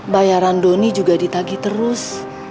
bayaran doni juga ditagi terus